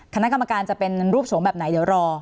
คณะกรรมการจะเป็นรูปสงฆ์แบบไหนเดี๋ยวรอ